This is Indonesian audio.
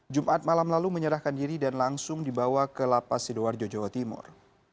jumat malam lalu menyerahkan diri dan langsung dibawa ke lapas sidoarjo jawa timur